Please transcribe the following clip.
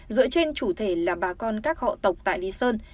dựa trên chủ thể là bà con các họ tộc tại lý sơn